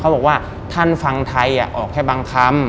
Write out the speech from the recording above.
บอกว่าท่านฟังไทยออกแค่บางคำ